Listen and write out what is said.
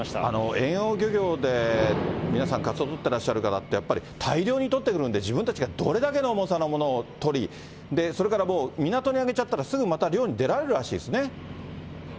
遠洋漁業で、皆さん、カツオ取ってらっしゃる方って、やっぱり大量に取ってくるんで、自分たちがどれだけの重さのものを取り、それから、港に揚げちゃったら、すぐまた漁に出られるらしいですね。